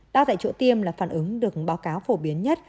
đo tại chỗ tiêm là phản ứng được báo cáo phổ biến nhất